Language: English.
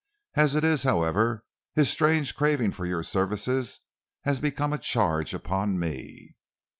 As it is, however, his strange craving for your services has become a charge upon me."